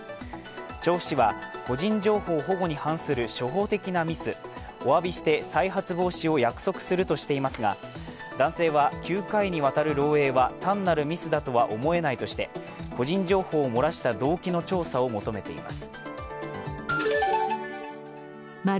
調布市は、個人情報保護に対する初歩的なミスおわびして再発防止を約束するとしていますが男性は９回にわたる漏えいは単なるミスだとは思えないとして個人情報を漏らした動機の調査を求めています。